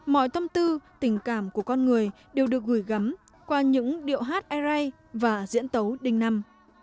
mọi tâm tư tình cảm của con người đều được gửi gắm qua những điệu hát ery và diễn tấu đinh năm